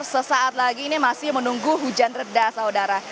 sesaat lagi ini masih menunggu hujan reda saudara